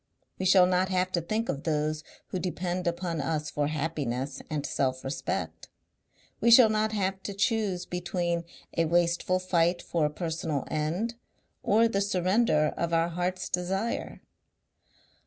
We shall not have to think of those who depend upon us for happiness and selfrespect. We shall not have to choose between a wasteful fight for a personal end or the surrender of our heart's desire."